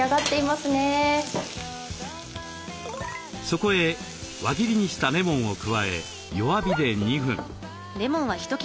そこへ輪切りにしたレモンを加え弱火で２分。